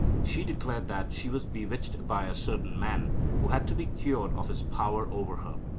She declared that she was bewitched by a certain man, who had to be cured of his power over her.